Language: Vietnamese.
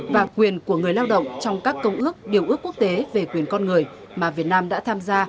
và quyền của người lao động trong các công ước điều ước quốc tế về quyền con người mà việt nam đã tham gia